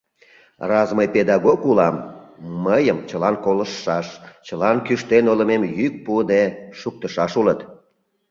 Раз мый педагог улам — мыйым чылан колыштшаш, чыла кӱштен ойлымем йӱк пуыде шуктышаш улыт.